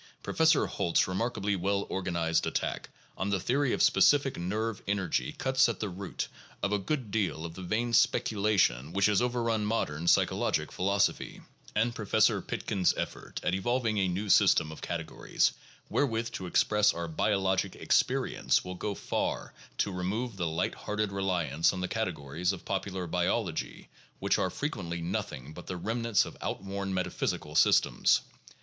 Professor Holt's remarkably well organized attack on the theory of specific nerve energy cuts at the root of a good deal of the vain speculation which has overrun modern psychologic philosophy; and Professor Pitkin's effort at evolving a new system of categories wherewith to express our biologic experience will go far to remove the light hearted reliance on the categories of popular biology which are fre quently nothing but the remnants of outworn metaphysical systems.